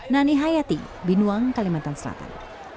nani hayati binuang kalimantan selatan